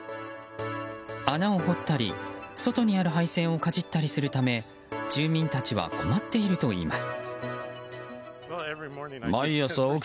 穴を掘ったり、外にある配線をかじったりするため住民たちは困っているといいます。